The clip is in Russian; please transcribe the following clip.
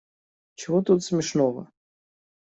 Чего тут смешного?